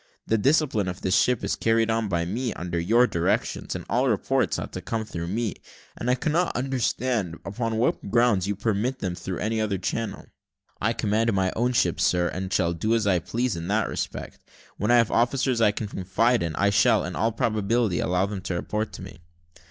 The discipline of this ship is carried on by me, under your directions, and all reports ought to come through me; and I cannot understand upon what grounds you permit them through any other channel." "I command my own ship, sir, and shall do as I please in that respect. When I have officers I can confide in, I shall, in all probability, allow them to report to me."